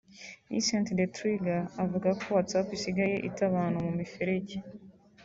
Icent The Trigger avuga ko WhatsApp isigaye ita abantu mu miferege